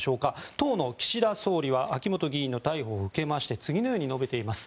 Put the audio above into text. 当の岸田総理は秋本議員の逮捕を受けまして次のように述べています。